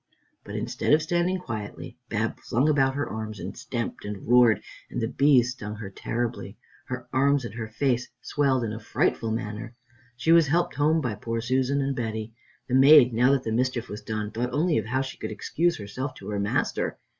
But instead of standing quietly, Bab flung about her arms, and stamped and roared, and the bees stung her terribly. Her arms and her face swelled in a frightful manner. She was helped home by poor Susan and Betty. The maid, now that the mischief was done, thought only of how she could excuse herself to her master.